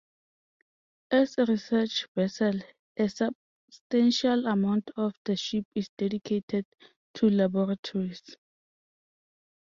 As a research vessel, a substantial amount of the ship is dedicated to laboratories.